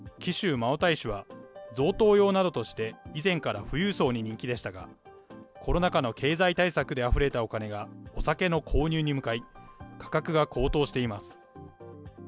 茅台酒は、贈答用などとして以前から富裕層に人気でしたが、コロナ禍の経済対策であふれたお金がお酒の購入に向かい、価格が高騰しています。